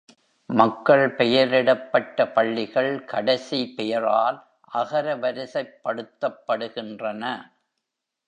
மக்கள் பெயரிடப்பட்ட பள்ளிகள் கடைசி பெயரால் அகரவரிசைப்படுத்தப்படுகின்றன.